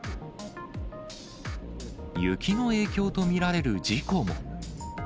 雪の影響と見られる事故も。